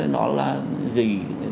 nó là gì